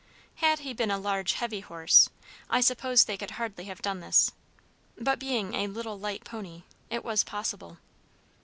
Had he been a large, heavy horse, I suppose they could hardly have done this; but being a little light pony, it was possible.